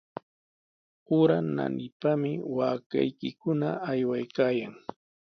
Ura naanipami waakaykikuna aywaykaayan.